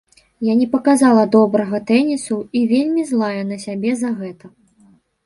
Я не паказала добрага тэнісу і вельмі злая на сябе за гэта.